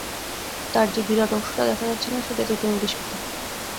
তার যে বিরাট অংশটা দেখা যাচ্ছে না, সেইটেতেই তুমি বিস্মিত।